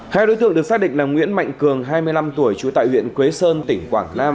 hai đối tượng được xác định là nguyễn mạnh cường hai mươi năm tuổi trú tại huyện quế sơn tỉnh quảng nam